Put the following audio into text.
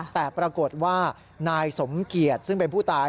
แต่ปรากฏว่านายสมเกียจซึ่งเป็นผู้ตาย